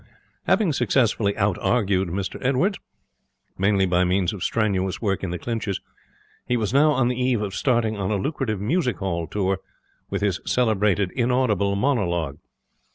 Having successfully out argued Mr Edwardes, mainly by means of strenuous work in the clinches, he was now on the eve of starting on a lucrative music hall tour with his celebrated inaudible monologue.